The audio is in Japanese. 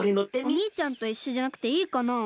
おにいちゃんといっしょじゃなくていいかなあ。